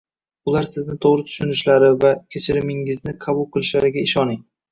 Ular sizni to‘g‘ri tushunishlari va kechirimingizni qabul qilishlariga ishoning.